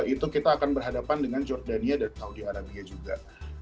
itu kita akan berhadapan dengan jordania dan saudi arabia juga